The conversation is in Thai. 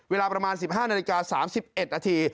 เวลาประมาณ๑๕นาฬิกา๓๑นาที